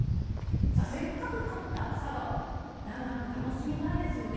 せっかく買った朝顔、長く楽しみたいですよね。